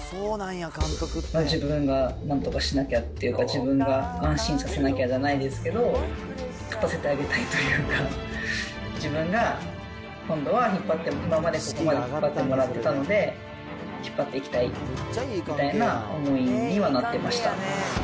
自分がなんとかしなきゃっていうか、自分が安心させなきゃじゃないですけど、勝たせてあげたいというか、自分が今度は、今まで引っ張ってもらったので、引っ張っていきたいみたいな思いにはなってました。